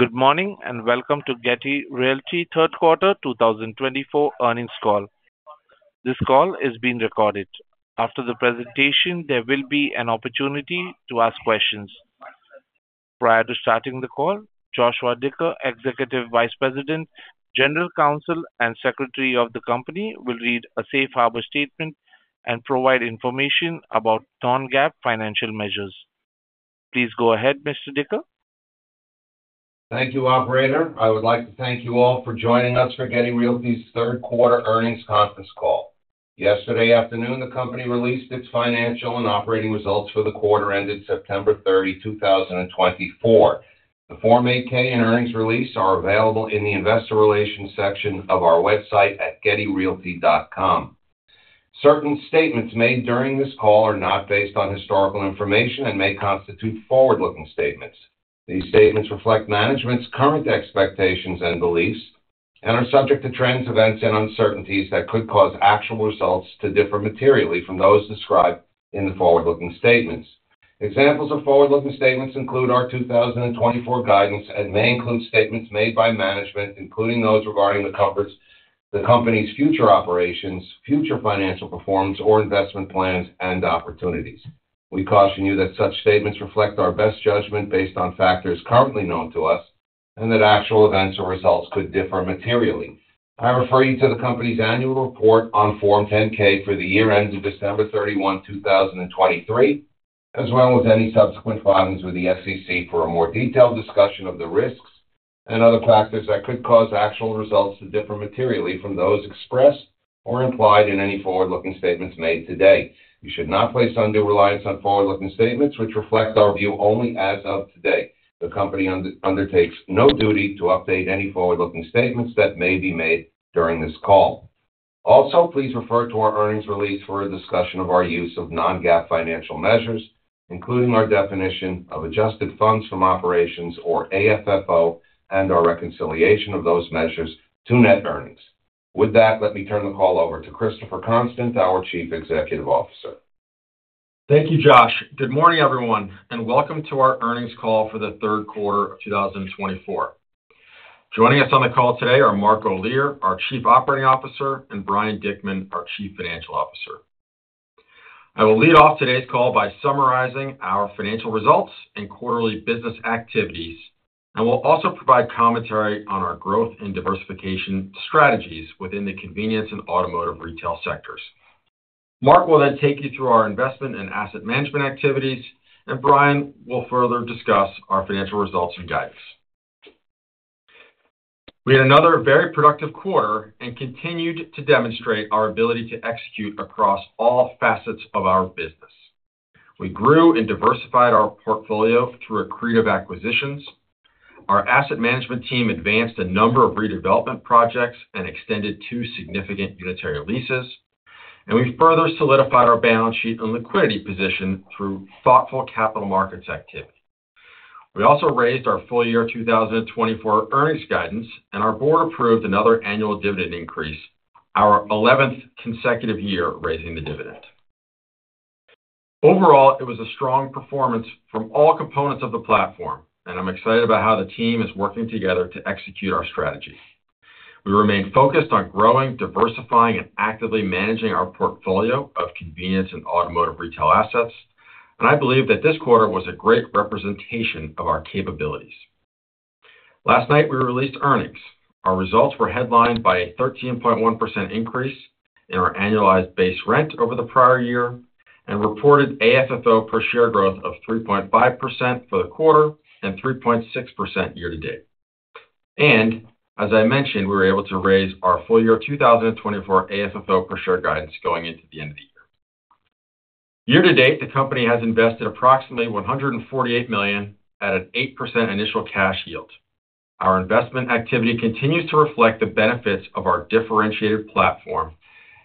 Good morning, and welcome to Getty Realty third quarter 2024 earnings call. This call is being recorded. After the presentation, there will be an opportunity to ask questions. Prior to starting the call, Joshua Dicker, Executive Vice President, General Counsel, and Secretary of the company, will read a safe harbor statement and provide information about non-GAAP financial measures. Please go ahead, Mr. Dicker. Thank you, operator. I would like to thank you all for joining us for Getty Realty's third quarter earnings conference call. Yesterday afternoon, the company released its financial and operating results for the quarter ended September thirty, two thousand and twenty-four. The Form 8-K and earnings release are available in the investor relations section of our website at gettyrealty.com. Certain statements made during this call are not based on historical information and may constitute forward-looking statements. These statements reflect management's current expectations and beliefs and are subject to trends, events, and uncertainties that could cause actual results to differ materially from those described in the forward-looking statements. Examples of forward-looking statements include our two thousand and twenty-four guidance and may include statements made by management, including those regarding the coverage, the company's future operations, future financial performance, or investment plans and opportunities. We caution you that such statements reflect our best judgment based on factors currently known to us, and that actual events or results could differ materially. I refer you to the company's annual report on Form 10-K for the year ended December thirty-one, two thousand and twenty-three, as well as any subsequent filings with the SEC for a more detailed discussion of the risks and other factors that could cause actual results to differ materially from those expressed or implied in any forward-looking statements made today. You should not place undue reliance on forward-looking statements, which reflect our view only as of today. The company undertakes no duty to update any forward-looking statements that may be made during this call. Also, please refer to our earnings release for a discussion of our use of non-GAAP financial measures, including our definition of adjusted funds from operations, or AFFO, and our reconciliation of those measures to net earnings. With that, let me turn the call over to Christopher Constant, our Chief Executive Officer. Thank you, Josh. Good morning, everyone, and welcome to our earnings call for the third quarter of two thousand and twenty-four. Joining us on the call today are Mark Olear, our Chief Operating Officer, and Brian Dickman, our Chief Financial Officer. I will lead off today's call by summarizing our financial results and quarterly business activities, and we'll also provide commentary on our growth and diversification strategies within the convenience and automotive retail sectors. Mark will then take you through our investment and asset management activities, and Brian will further discuss our financial results and guidance. We had another very productive quarter and continued to demonstrate our ability to execute across all facets of our business. We grew and diversified our portfolio through accretive acquisitions. Our asset management team advanced a number of redevelopment projects and extended two significant unitary leases, and we further solidified our balance sheet and liquidity position through thoughtful capital markets activity. We also raised our full year 2024 earnings guidance, and our board approved another annual dividend increase, our eleventh consecutive year raising the dividend. Overall, it was a strong performance from all components of the platform, and I'm excited about how the team is working together to execute our strategy. We remain focused on growing, diversifying, and actively managing our portfolio of convenience and automotive retail assets, and I believe that this quarter was a great representation of our capabilities. Last night, we released earnings. Our results were headlined by a 13.1% increase in our annualized base rent over the prior year and reported AFFO per share growth of 3.5% for the quarter and 3.6% year to date, and as I mentioned, we were able to raise our full year 2024 AFFO per share guidance going into the end of the year. Year to date, the company has invested approximately $148 million at an 8% initial cash yield. Our investment activity continues to reflect the benefits of our differentiated platform,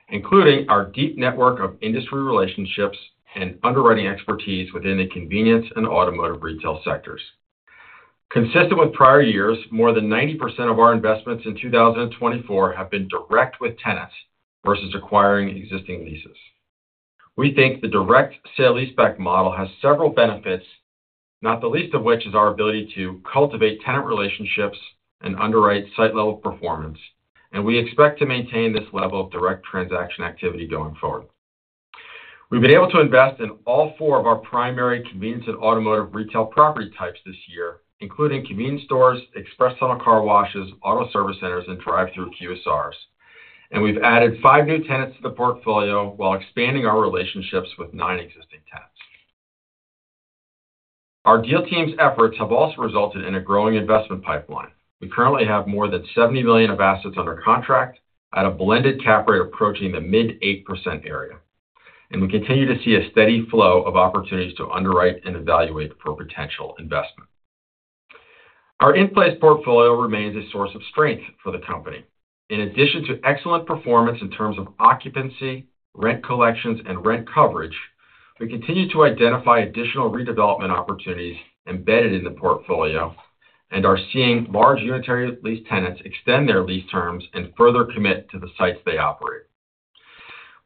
including our deep network of industry relationships and underwriting expertise within the convenience and automotive retail sectors. Consistent with prior years, more than 90% of our investments in 2024 have been direct with tenants versus acquiring existing leases. We think the direct sale-leaseback model has several benefits, not the least of which is our ability to cultivate tenant relationships and underwrite site level performance, and we expect to maintain this level of direct transaction activity going forward. We've been able to invest in all four of our primary convenience and automotive retail property types this year, including convenience stores, express tunnel car washes, auto service centers, and drive-through QSRs. And we've added five new tenants to the portfolio while expanding our relationships with nine existing tenants. Our deal team's efforts have also resulted in a growing investment pipeline. We currently have more than $70 million of assets under contract at a blended cap rate approaching the mid-8% area, and we continue to see a steady flow of opportunities to underwrite and evaluate for potential investment. Our in-place portfolio remains a source of strength for the company. In addition to excellent performance in terms of occupancy, rent collections, and rent coverage, we continue to identify additional redevelopment opportunities embedded in the portfolio and are seeing large unitary lease tenants extend their lease terms and further commit to the sites they operate.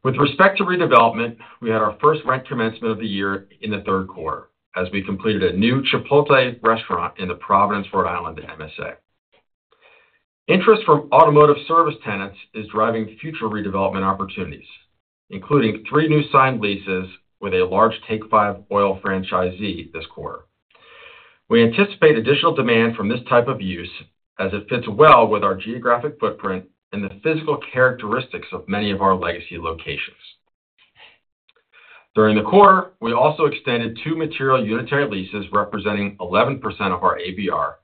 With respect to redevelopment, we had our first rent commencement of the year in the third quarter, as we completed a new Chipotle restaurant in the Providence, Rhode Island, MSA. Interest from automotive service tenants is driving future redevelopment opportunities, including three new signed leases with a large Take 5 Oil franchisee this quarter. We anticipate additional demand from this type of use, as it fits well with our geographic footprint and the physical characteristics of many of our legacy locations. During the quarter, we also extended two material unitary leases representing 11% of our ABR,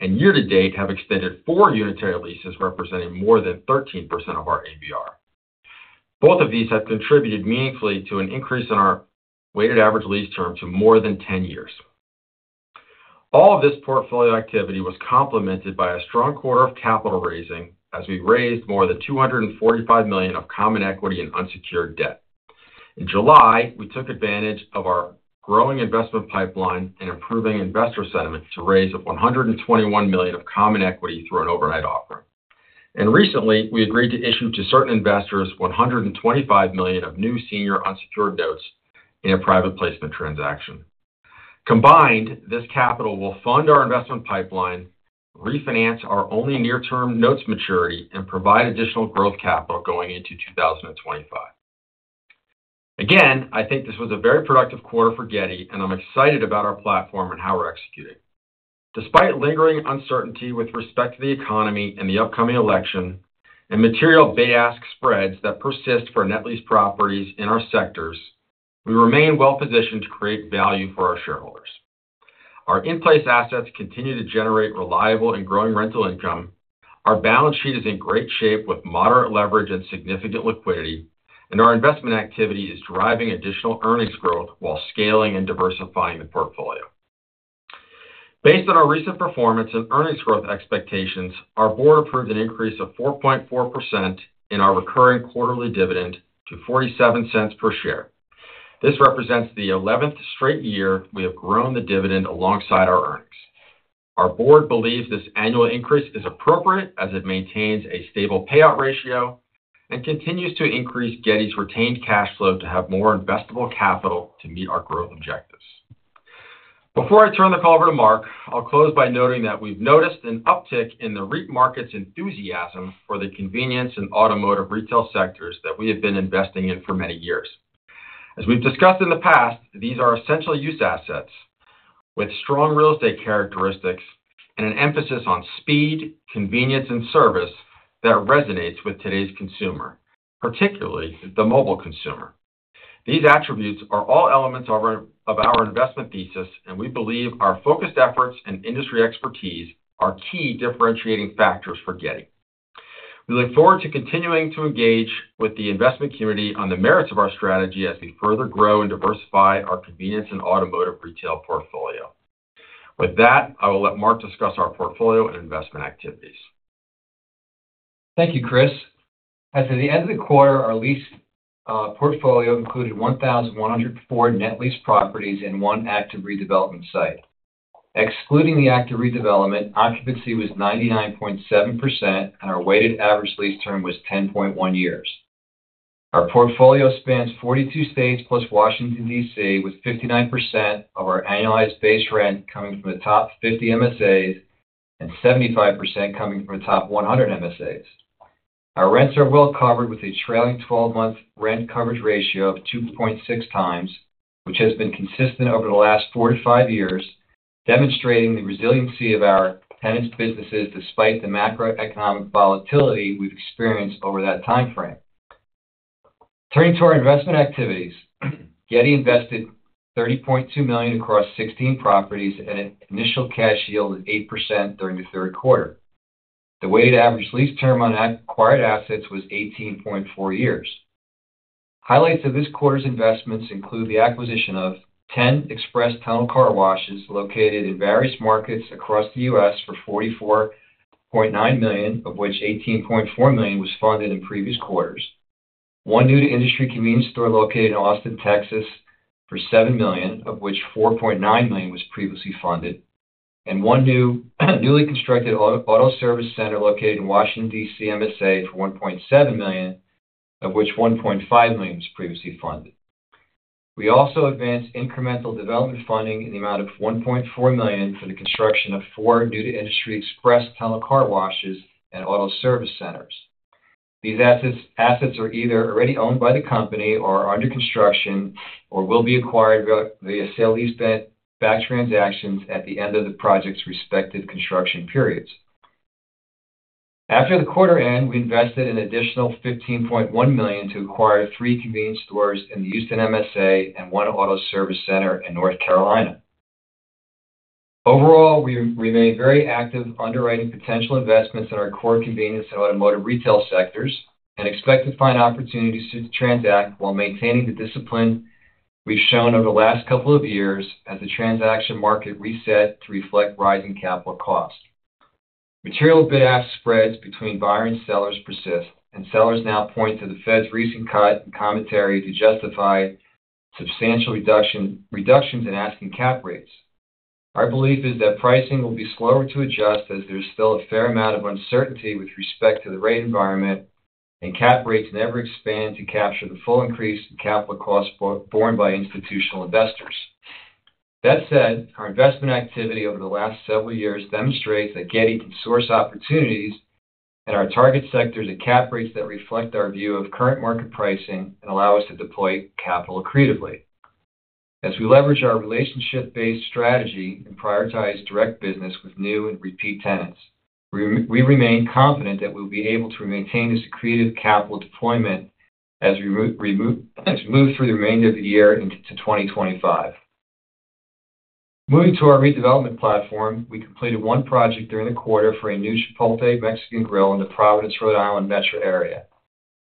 and year to date have extended four unitary leases, representing more than 13% of our ABR. Both of these have contributed meaningfully to an increase in our weighted average lease term to more than 10 years. All of this portfolio activity was complemented by a strong quarter of capital raising, as we raised more than $245 million of common equity and unsecured debt. In July, we took advantage of our growing investment pipeline and improving investor sentiment to raise $121 million of common equity through an overnight offer. And recently, we agreed to issue to certain investors $125 million of new senior unsecured notes in a private placement transaction. Combined, this capital will fund our investment pipeline, refinance our only near-term notes maturity, and provide additional growth capital going into two thousand and twenty-five. Again, I think this was a very productive quarter for Getty, and I'm excited about our platform and how we're executing. Despite lingering uncertainty with respect to the economy and the upcoming election, and material bid-ask spreads that persist for net lease properties in our sectors, we remain well-positioned to create value for our shareholders. Our in-place assets continue to generate reliable and growing rental income. Our balance sheet is in great shape, with moderate leverage and significant liquidity, and our investment activity is driving additional earnings growth while scaling and diversifying the portfolio. Based on our recent performance and earnings growth expectations, our board approved an increase of 4.4% in our recurring quarterly dividend to $0.47 per share. This represents the eleventh straight year we have grown the dividend alongside our earnings. Our board believes this annual increase is appropriate, as it maintains a stable payout ratio and continues to increase Getty's retained cash flow to have more investable capital to meet our growth objectives. Before I turn the call over to Mark, I'll close by noting that we've noticed an uptick in the REIT market's enthusiasm for the convenience and automotive retail sectors that we have been investing in for many years. As we've discussed in the past, these are essential use assets with strong real estate characteristics and an emphasis on speed, convenience, and service that resonates with today's consumer, particularly the mobile consumer. These attributes are all elements of our investment thesis, and we believe our focused efforts and industry expertise are key differentiating factors for Getty. We look forward to continuing to engage with the investment community on the merits of our strategy as we further grow and diversify our convenience and automotive retail portfolio. With that, I will let Mark discuss our portfolio and investment activities. Thank you, Chris. As of the end of the quarter, our lease portfolio included 1,104 net lease properties and one active redevelopment site. Excluding the active redevelopment, occupancy was 99.7%, and our weighted average lease term was 10.1 years. Our portfolio spans 42 states plus Washington, D.C., with 59% of our annualized base rent coming from the top 50 MSAs, and 75% coming from the top 100 MSAs. Our rents are well covered, with a trailing twelve-month rent coverage ratio of 2.6 times, which has been consistent over the last 45 years, demonstrating the resiliency of our tenants' businesses despite the macroeconomic volatility we've experienced over that timeframe. Turning to our investment activities, Getty invested $30.2 million across 16 properties at an initial cash yield of 8% during the third quarter. The weighted average lease term on acquired assets was 18.4 years. Highlights of this quarter's investments include the acquisition of 10 express tunnel car washes located in various markets across the U.S. for $44.9 million, of which $18.4 million was funded in previous quarters. One new to industry convenience store located in Austin, Texas, for $7 million, of which $4.9 million was previously funded, and one new, newly constructed auto service center located in Washington, D.C., MSA for $1.7 million, of which $1.5 million was previously funded. We also advanced incremental development funding in the amount of $1.4 million for the construction of four new to industry express tunnel car washes and auto service centers. These assets are either already owned by the company or are under construction, or will be acquired via sale-leaseback transactions at the end of the project's respective construction periods. After the quarter end, we invested an additional $15.1 million to acquire three convenience stores in the Houston MSA and one auto service center in North Carolina. Overall, we remain very active, underwriting potential investments in our core convenience and automotive retail sectors and expect to find opportunities to transact while maintaining the discipline we've shown over the last couple of years as the transaction market reset to reflect rising capital costs. Material bid-ask spreads between buyers and sellers persist, and sellers now point to the Fed's recent cut and commentary to justify substantial reductions in asking cap rates. Our belief is that pricing will be slower to adjust, as there's still a fair amount of uncertainty with respect to the rate environment, and cap rates never expand to capture the full increase in capital costs borne by institutional investors. That said, our investment activity over the last several years demonstrates that Getty can source opportunities in our target sectors at cap rates that reflect our view of current market pricing and allow us to deploy capital accretively. As we leverage our relationship-based strategy and prioritize direct business with new and repeat tenants, we remain confident that we'll be able to maintain this accretive capital deployment as we move through the remainder of the year into 2025. Moving to our redevelopment platform, we completed one project during the quarter for a new Chipotle Mexican Grill in the Providence, Rhode Island, metro area.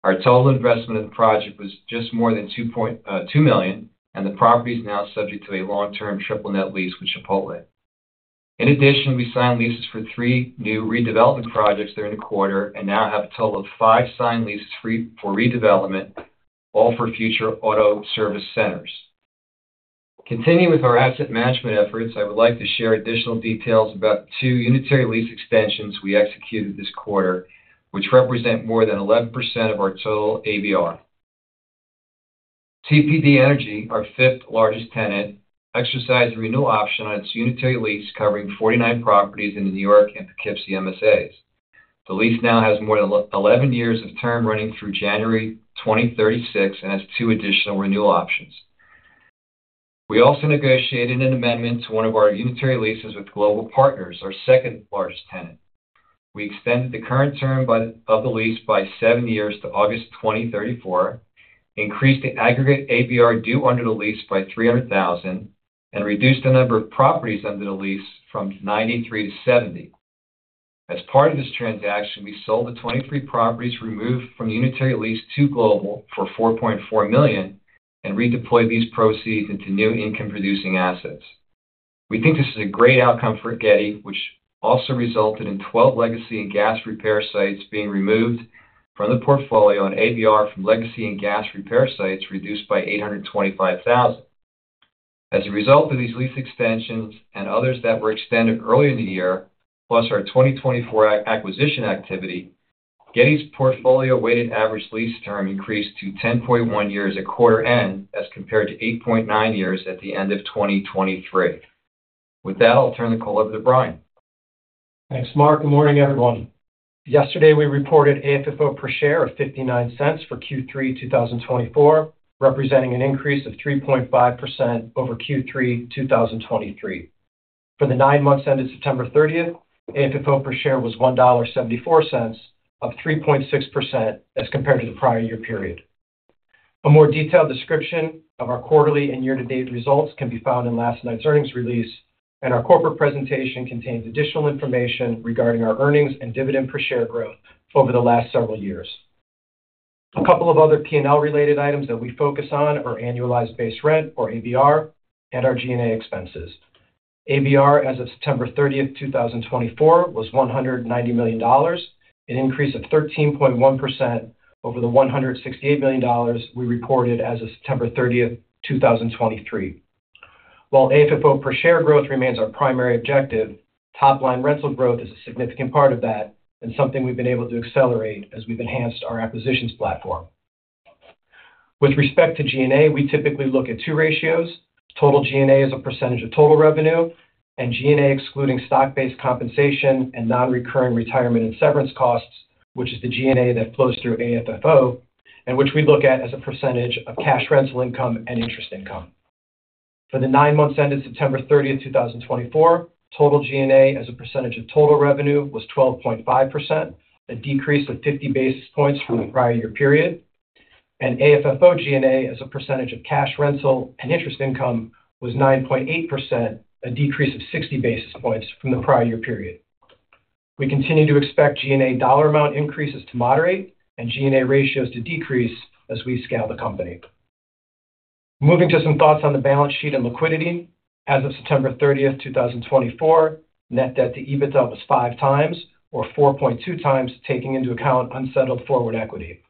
Our total investment in the project was just more than $2.2 million, and the property is now subject to a long-term triple net lease with Chipotle. In addition, we signed leases for three new redevelopment projects during the quarter and now have a total of five signed leases for redevelopment, all for future auto service centers. Continuing with our asset management efforts, I would like to share additional details about two unitary lease extensions we executed this quarter, which represent more than 11% of our total ABR. CPD Energy, our fifth-largest tenant, exercised a renewal option on its unitary lease, covering 49 properties in the New York and Poughkeepsie MSAs. The lease now has more than 11 years of term running through January 2036 and has two additional renewal options. We also negotiated an amendment to one of our unitary leases with Global Partners, our second-largest tenant. We extended the current term of the lease by 7 years to August 2034, increased the aggregate ABR due under the lease by $300,000, and reduced the number of properties under the lease from 93 to 70. As part of this transaction, we sold the twenty-three properties removed from the unitary lease to Global for $4.4 million and redeployed these proceeds into new income-producing assets. We think this is a great outcome for Getty, which also resulted in twelve legacy and gas repair sites being removed from the portfolio, and ABR from legacy and gas repair sites reduced by $825,000. As a result of these lease extensions and others that were extended earlier in the year, plus our 2024 acquisition activity, Getty's portfolio weighted average lease term increased to 10.1 years at quarter end, as compared to 8.9 years at the end of 2023. With that, I'll turn the call over to Brian. Thanks, Mark. Good morning, everyone. Yesterday, we reported AFFO per share of $0.59 for Q3 2024, representing an increase of 3.5% over Q3 2023. For the nine months ended September thirtieth, AFFO per share was $1.74, up 3.6% as compared to the prior year period. A more detailed description of our quarterly and year-to-date results can be found in last night's earnings release, and our corporate presentation contains additional information regarding our earnings and dividend per share growth over the last several years. A couple of other P&L-related items that we focus on are annualized base rent, or ABR, and our G&A expenses. ABR as of September thirtieth, 2024, was $190 million, an increase of 13.1% over the $168 million we reported as of September thirtieth, 2023. While AFFO per share growth remains our primary objective, top-line rental growth is a significant part of that and something we've been able to accelerate as we've enhanced our acquisitions platform. With respect to G&A, we typically look at two ratios: total G&A as a percentage of total revenue, and G&A excluding stock-based compensation and non-recurring retirement and severance costs, which is the G&A that flows through AFFO, and which we look at as a percentage of cash rental income and interest income. For the nine months ended September thirtieth, 2024, total G&A as a percentage of total revenue was 12.5%, a decrease of 50 basis points from the prior year period, and AFFO G&A as a percentage of cash rental and interest income was 9.8%, a decrease of 60 basis points from the prior year period. We continue to expect G&A dollar amount increases to moderate and G&A ratios to decrease as we scale the company. Moving to some thoughts on the balance sheet and liquidity. As of September thirtieth, 2024, net debt to EBITDA was five times, or four point two times, taking into account unsettled forward equity.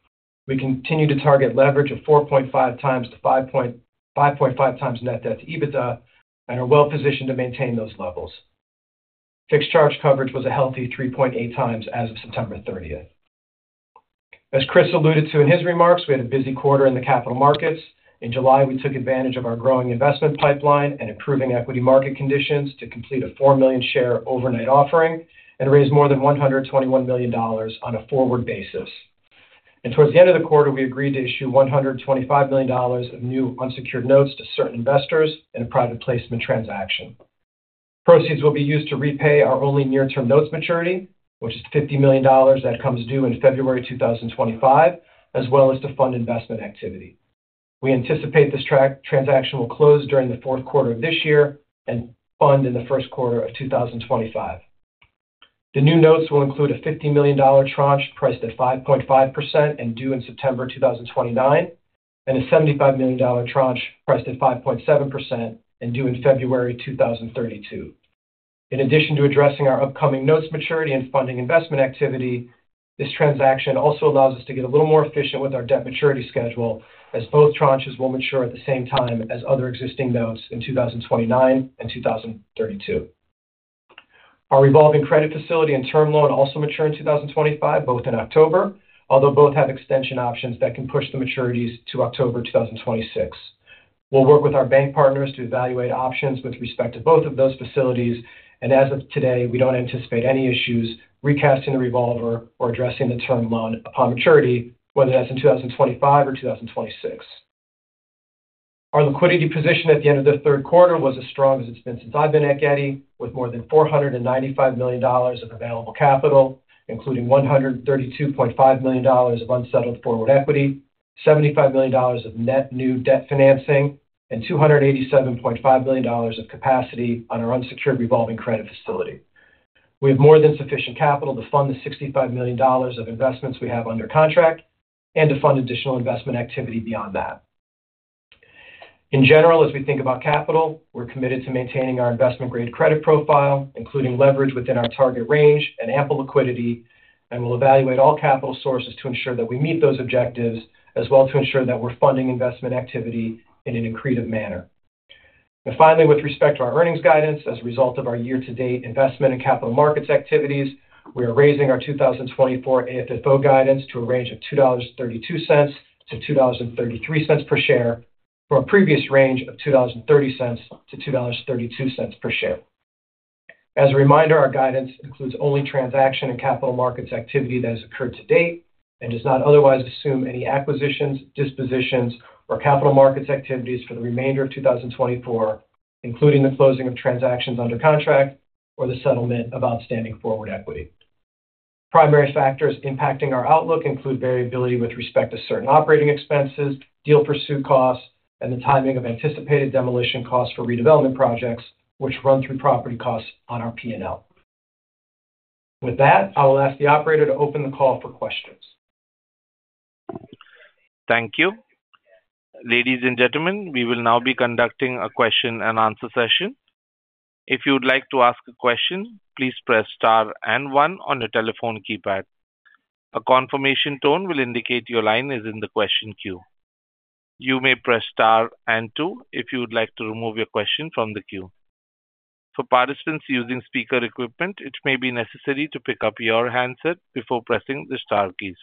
We continue to target leverage of four point five times to five point five times net debt to EBITDA and are well positioned to maintain those levels. Fixed charge coverage was a healthy three point eight times as of September thirtieth. As Chris alluded to in his remarks, we had a busy quarter in the capital markets. In July, we took advantage of our growing investment pipeline and improving equity market conditions to complete a 4 million-share overnight offering and raised more than $121 million on a forward basis. Towards the end of the quarter, we agreed to issue $125 million of new unsecured notes to certain investors in a private placement transaction. Proceeds will be used to repay our only near-term notes maturity, which is $50 million that comes due in February 2025, as well as to fund investment activity. We anticipate this transaction will close during the fourth quarter of this year and fund in the first quarter of 2025. The new notes will include a $50 million tranche priced at 5.5% and due in September 2029, and a $75 million tranche priced at 5.7% and due in February 2032. In addition to addressing our upcoming notes maturity and funding investment activity, this transaction also allows us to get a little more efficient with our debt maturity schedule, as both tranches will mature at the same time as other existing notes in 2029 and 2032. Our revolving credit facility and term loan also mature in 2025, both in October, although both have extension options that can push the maturities to October 2026. We'll work with our bank partners to evaluate options with respect to both of those facilities, and as of today, we don't anticipate any issues recasting the revolver or addressing the term loan upon maturity, whether that's in 2025 or 2026. Our liquidity position at the end of the third quarter was as strong as it's been since I've been at Getty, with more than $495 million of available capital, including $132.5 million of unsettled forward equity, $75 million of net new debt financing, and $287.5 million of capacity on our unsecured revolving credit facility. We have more than sufficient capital to fund the $65 million of investments we have under contract and to fund additional investment activity beyond that. In general, as we think about capital, we're committed to maintaining our investment-grade credit profile, including leverage within our target range and ample liquidity, and we'll evaluate all capital sources to ensure that we meet those objectives, as well to ensure that we're funding investment activity in an accretive manner. And finally, with respect to our earnings guidance, as a result of our year-to-date investment in capital markets activities, we are raising our 2024 AFFO guidance to a range of $2.32-$2.33 per share, from a previous range of $2.30-$2.32 per share. As a reminder, our guidance includes only transaction and capital markets activity that has occurred to date and does not otherwise assume any acquisitions, dispositions, or capital markets activities for the remainder of 2024, including the closing of transactions under contract or the settlement of outstanding forward equity. Primary factors impacting our outlook include variability with respect to certain operating expenses, deal pursuit costs, and the timing of anticipated demolition costs for redevelopment projects, which run through property costs on our P&L. With that, I will ask the operator to open the call for questions. Thank you. Ladies and gentlemen, we will now be conducting a question and answer session. If you would like to ask a question, please press Star and One on your telephone keypad. A confirmation tone will indicate your line is in the question queue. You may press Star and Two if you would like to remove your question from the queue. For participants using speaker equipment, it may be necessary to pick up your handset before pressing the star keys.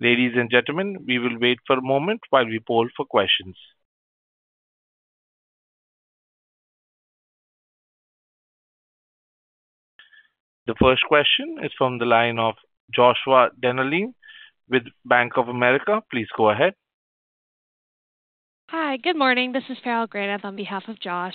Ladies and gentlemen, we will wait for a moment while we poll for questions. The first question is from the line of Joshua Dennerline with Bank of America. Please go ahead. Hi, good morning. This is Farrell Granath on behalf of Josh.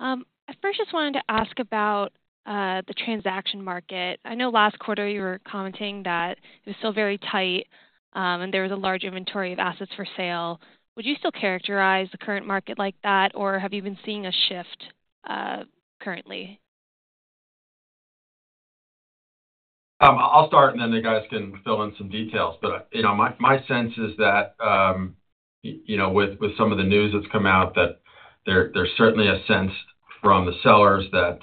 I first just wanted to ask about the transaction market. I know last quarter you were commenting that it was still very tight, and there was a large inventory of assets for sale. Would you still characterize the current market like that, or have you been seeing a shift currently? I'll start, and then the guys can fill in some details, but you know, my sense is that you know, with some of the news that's come out, that there's certainly a sense from the sellers that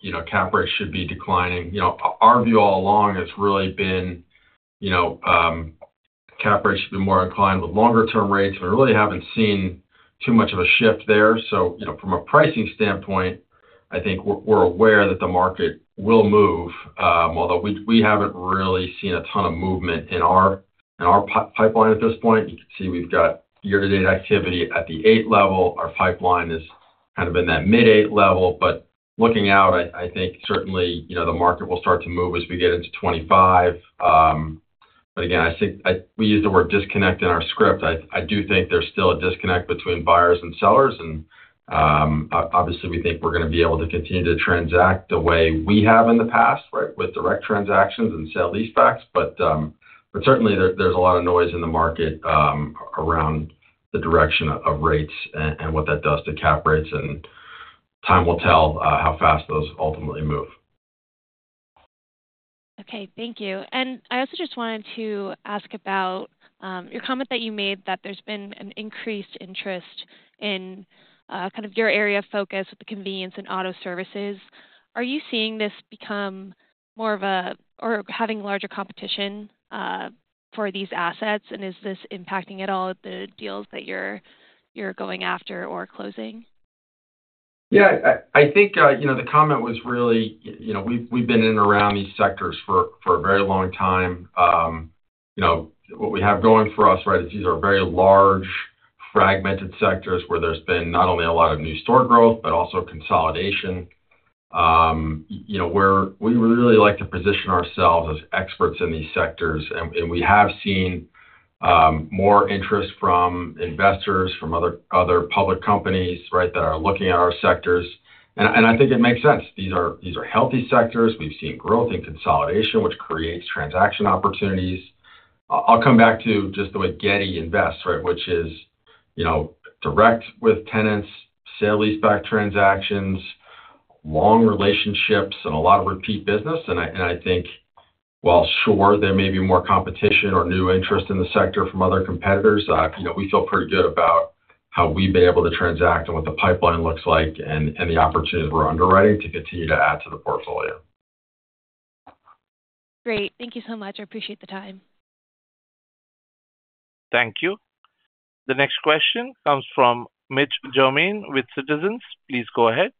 you know, cap rates should be declining. You know, our view all along has really been, you know, cap rates should be more inclined with longer-term rates. We really haven't seen too much of a shift there, so you know, from a pricing standpoint, I think we're aware that the market will move, although we haven't really seen a ton of movement in our pipeline at this point. You can see we've got year-to-date activity at the eight level. Our pipeline is kind of in that mid-eight level, but looking out, I think certainly, you know, the market will start to move as we get into 2025. But again, I think we use the word disconnect in our script. I do think there's still a disconnect between buyers and sellers, and obviously, we think we're going to be able to continue to transact the way we have in the past, right, with direct transactions and sale leasebacks. But certainly there, there's a lot of noise in the market around the direction of rates and what that does to cap rates, and time will tell how fast those ultimately move. Okay, thank you. And I also just wanted to ask about your comment that you made, that there's been an increased interest in kind of your area of focus with the convenience and auto services. Are you seeing this become more of a, or having larger competition for these assets? And is this impacting at all the deals that you're going after or closing? Yeah, I think, you know, the comment was really, you know, we've been in and around these sectors for a very long time. You know, what we have going for us, right, is these are very large, fragmented sectors where there's been not only a lot of new store growth, but also consolidation. You know, we really like to position ourselves as experts in these sectors, and we have seen more interest from investors, from other public companies, right, that are looking at our sectors, and I think it makes sense. These are healthy sectors. We've seen growth and consolidation, which creates transaction opportunities. I'll come back to just the way Getty invests, right? Which is, you know, direct with tenants, sale-leaseback transactions, long relationships, and a lot of repeat business. I think-... while, sure, there may be more competition or new interest in the sector from other competitors. You know, we feel pretty good about how we've been able to transact and what the pipeline looks like and the opportunities we're underwriting to continue to add to the portfolio. Great. Thank you so much. I appreciate the time. Thank you. The next question comes from Mitch Germain with Citizens. Please go ahead.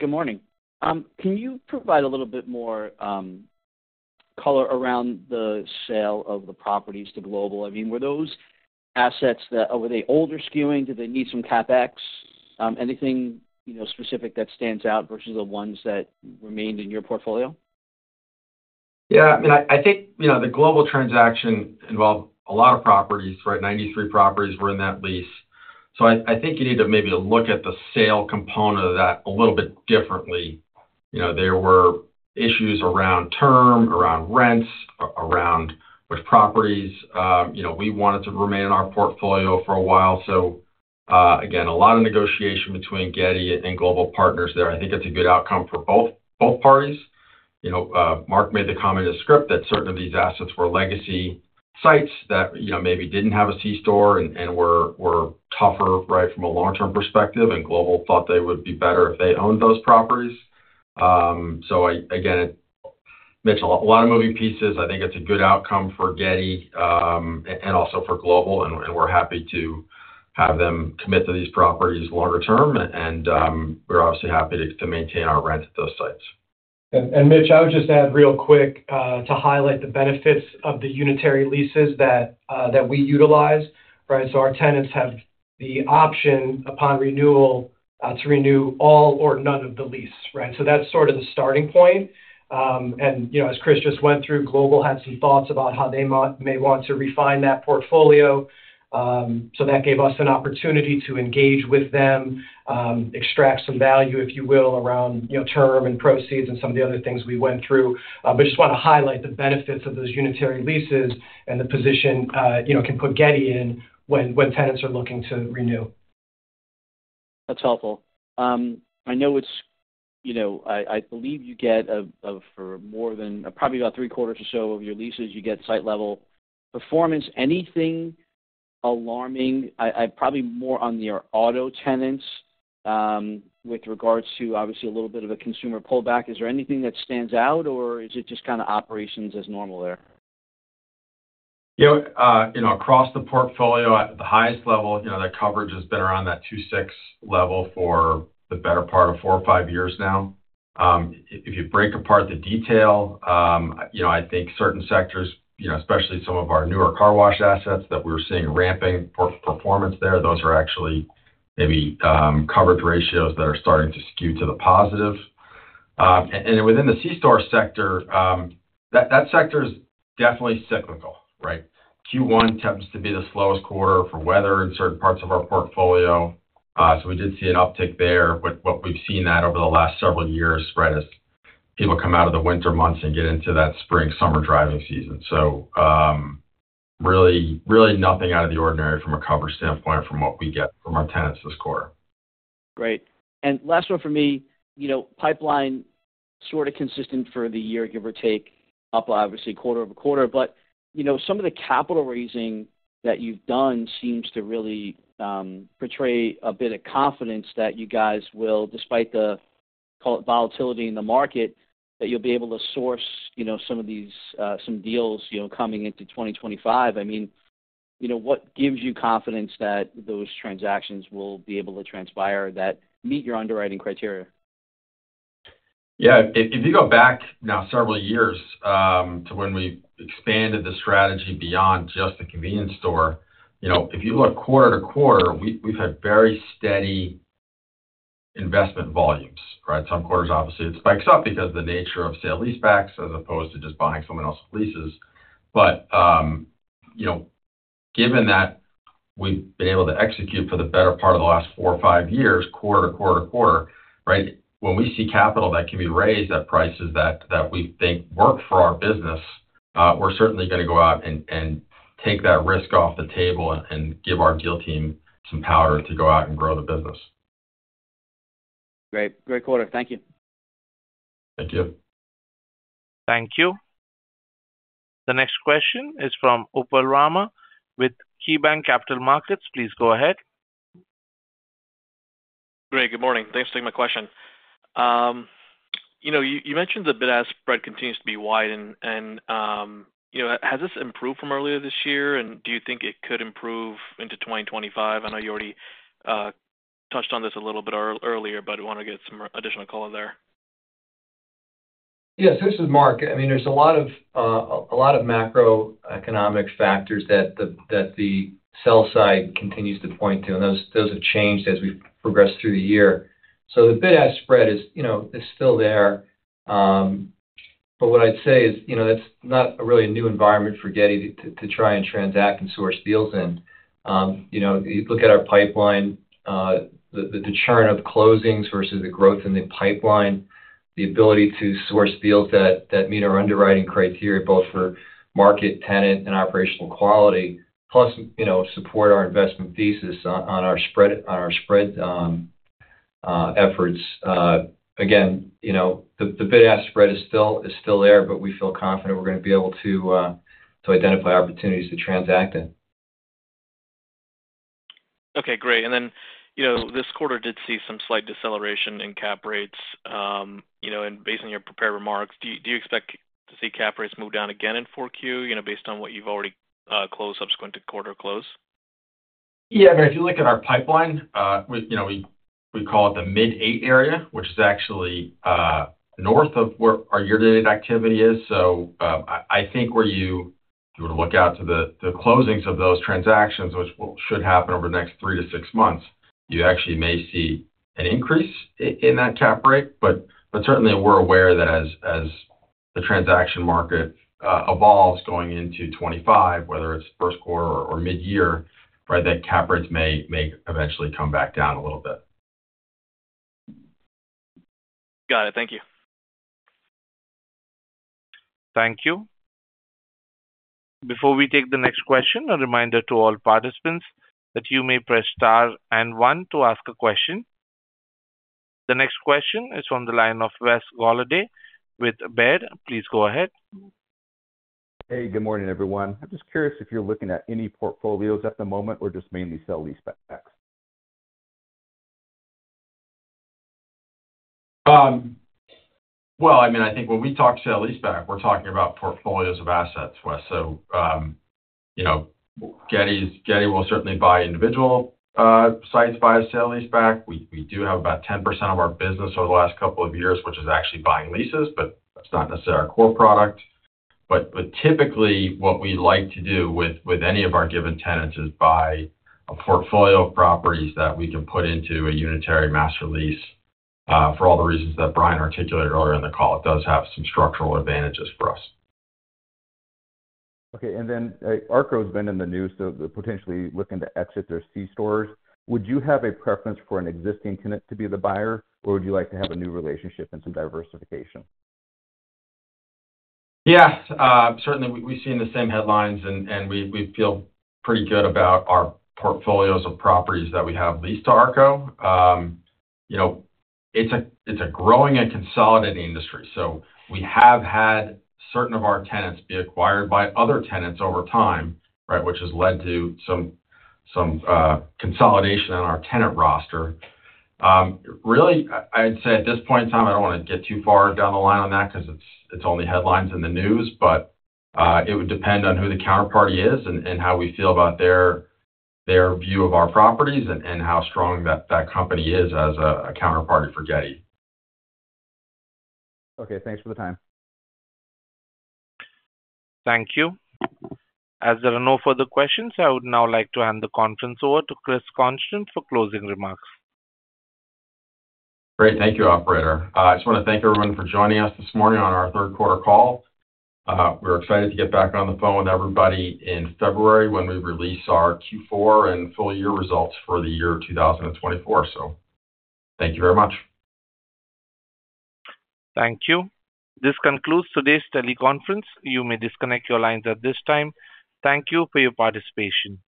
Good morning. Can you provide a little bit more color around the sale of the properties to Global? I mean, were those assets older skewing? Did they need some CapEx? Anything, you know, specific that stands out versus the ones that remained in your portfolio? Yeah, I mean, I think you know, the Global transaction involved a lot of properties, right? 93 properties were in that lease. So I think you need to maybe look at the sale component of that a little bit differently. You know, there were issues around term, around rents, around which properties, you know, we wanted to remain in our portfolio for a while. So again, a lot of negotiation between Getty and Global Partners there. I think it's a good outcome for both parties. You know, Mark made the comment in script that certain of these assets were legacy sites that, you know, maybe didn't have a C-store and were tougher, right, from a long-term perspective, and Global Partners thought they would be better if they owned those properties. So again, Mitch, a lot of moving pieces. I think it's a good outcome for Getty, and also for Global, and we're happy to have them commit to these properties longer term, and we're obviously happy to maintain our rent at those sites. Mitch, I would just add real quick to highlight the benefits of the unitary leases that we utilize, right? So our tenants have the option upon renewal to renew all or none of the lease, right? So that's sort of the starting point. You know, as Chris just went through, Global had some thoughts about how they may want to refine that portfolio. So that gave us an opportunity to engage with them, extract some value, if you will, around, you know, term and proceeds and some of the other things we went through. But just wanna highlight the benefits of those unitary leases and the position, you know, can put Getty in when tenants are looking to renew. That's helpful. I know it's, you know. I believe you get, for more than probably about three-quarters or so of your leases, you get site-level performance. Anything alarming, probably more on your auto tenants, with regards to, obviously, a little bit of a consumer pullback. Is there anything that stands out, or is it just kind of operations as normal there? Yeah, you know, across the portfolio, at the highest level, you know, that coverage has been around that two/six level for the better part of four or five years now. If you break apart the detail, you know, I think certain sectors, you know, especially some of our newer car wash assets that we're seeing ramping performance there, those are actually maybe coverage ratios that are starting to skew to the positive. And within the C-store sector, that sector is definitely cyclical, right? Q1 tends to be the slowest quarter for weather in certain parts of our portfolio. So we did see an uptick there, but we've seen that over the last several years, right, as people come out of the winter months and get into that spring, summer driving season. Really, really nothing out of the ordinary from a coverage standpoint from what we get from our tenants this quarter. Great. And last one for me, you know, pipeline sort of consistent for the year, give or take, up obviously quarter over quarter. But, you know, some of the capital raising that you've done seems to really, portray a bit of confidence that you guys will, despite the, call it, volatility in the market, that you'll be able to source, you know, some of these, some deals, you know, coming into twenty twenty-five. I mean, you know, what gives you confidence that those transactions will be able to transpire that meet your underwriting criteria? Yeah, if you go back now several years to when we expanded the strategy beyond just the convenience store, you know, if you look quarter to quarter, we've had very steady investment volumes, right? Some quarters, obviously, it spikes up because the nature of sale-leasebacks as opposed to just buying someone else's leases. But, you know, given that we've been able to execute for the better part of the last four or five years, quarter to quarter to quarter, right, when we see capital that can be raised at prices that we think work for our business, we're certainly gonna go out and take that risk off the table and give our deal team some power to go out and grow the business. Great. Great quarter. Thank you. Thank you. Thank you. The next question is from Upal Rana with CCKeybanc Capital Markets. Please go ahead. Great. Good morning. Thanks for taking my question. You know, you mentioned the bid-ask spread continues to be wide and, you know, has this improved from earlier this year, and do you think it could improve into twenty twenty-five? I know you already touched on this a little bit earlier, but I want to get some additional color there. Yes, this is Mark. I mean, there's a lot of macroeconomic factors that the sell side continues to point to, and those have changed as we've progressed through the year. So the bid-ask spread is, you know, is still there. But what I'd say is, you know, that's not really a new environment for Getty to try and transact and source deals in. You know, you look at our pipeline, the churn of closings versus the growth in the pipeline, the ability to source deals that meet our underwriting criteria, both for market, tenant, and operational quality, plus, you know, support our investment thesis on our spread, on our spread.... efforts. Again, you know, the bid-ask spread is still there, but we feel confident we're gonna be able to identify opportunities to transact in. Okay, great. And then, you know, this quarter did see some slight deceleration in cap rates, you know, and based on your prepared remarks, do you expect to see cap rates move down again in 4Q, you know, based on what you've already closed subsequent to quarter close? Yeah, I mean, if you look at our pipeline, we, you know, we call it the mid-eight area, which is actually north of where our year-to-date activity is. So, I think if you were to look out to the closings of those transactions, which should happen over the next three to six months, you actually may see an increase in that cap rate. But certainly we're aware that as the transaction market evolves going into 2025, whether it's first quarter or mid-year, right, that cap rates may eventually come back down a little bit. Got it. Thank you. Thank you. Before we take the next question, a reminder to all participants that you may press Star and One to ask a question. The next question is from the line of Wes Golladay with Baird. Please go ahead. Hey, good morning, everyone. I'm just curious if you're looking at any portfolios at the moment or just mainly sale-leasebacks? Well, I mean, I think when we talk sale leaseback, we're talking about portfolios of assets, Wes. So, you know, Getty will certainly buy individual sites via sale leaseback. We do have about 10% of our business over the last couple of years, which is actually buying leases, but that's not necessarily our core product. But typically, what we like to do with any of our given tenants is buy a portfolio of properties that we can put into a unitary master lease for all the reasons that Brian articulated earlier in the call. It does have some structural advantages for us. Okay. And then, ARKO's been in the news, so they're potentially looking to exit their C-stores. Would you have a preference for an existing tenant to be the buyer, or would you like to have a new relationship and some diversification? Yes, certainly we've seen the same headlines, and we feel pretty good about our portfolios of properties that we have leased to ARKO. You know, it's a growing and consolidating industry, so we have had certain of our tenants be acquired by other tenants over time, right, which has led to some consolidation on our tenant roster. Really, I'd say at this point in time, I don't wanna get too far down the line on that because it's only headlines in the news, but it would depend on who the counterparty is and how we feel about their view of our properties and how strong that company is as a counterparty for Getty. Okay, thanks for the time. Thank you. As there are no further questions, I would now like to hand the conference over to Chris Constant for closing remarks. Great. Thank you, operator. I just wanna thank everyone for joining us this morning on our third quarter call. We're excited to get back on the phone with everybody in February when we release our Q4 and full year results for the year two thousand and twenty-four. So thank you very much. Thank you. This concludes today's teleconference. You may disconnect your lines at this time. Thank you for your participation.